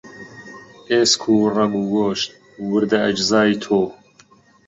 ئێسک و ڕەگ و گۆشت، وردە ئەجزای تۆ